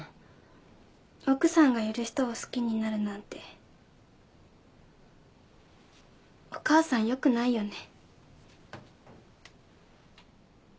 奥さんがいる人を好きになるなんてお母さんよくないよね。